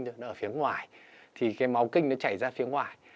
nó ở phía ngoài thì cái máu kinh nó chảy ra phía ngoài